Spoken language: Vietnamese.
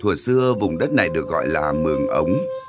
thủa xưa vùng đất này được gọi là mường ống